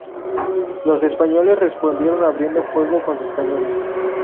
Los españoles respondieron abriendo fuego con sus cañones.